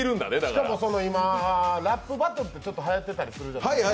しかも今、ラップバトルってちょっとはやってたりするじゃないですか。